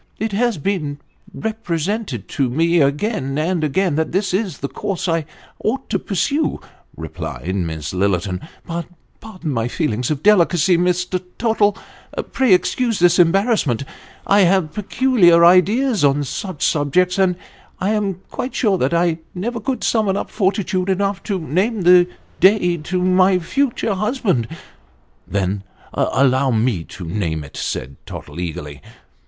" It has been represented to me again and again that this is the course I ought to pursue," replied Miss Lillerton, " but pardon my feelings of delicacy, Mr. Tottle pray excuse this embarrassment I have peculiar ideas on such subjects, and I am quite sure that I never could summon up fortitude enough to name the day to my future husband." " Then allow me to name it," said Tottle eagerly.